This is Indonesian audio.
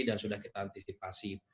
dan sudah kita antisipasi